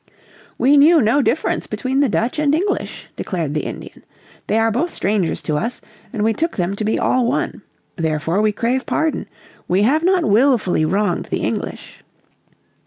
"We knew no difference between the Dutch and English," declared the Indian. "They are both strangers to us, and we took them to be all one. Therefore we crave pardon. We have not wilfully wronged the English."